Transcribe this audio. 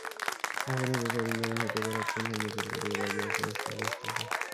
অগণিত তরুণ যেমন হেঁটে বেড়াচ্ছেন, তেমনি ভিড় করে দাঁড়িয়ে আছেন স্টলে স্টলে।